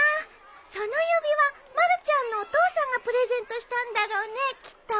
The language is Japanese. その指輪まるちゃんのお父さんがプレゼントしたんだろうねきっと。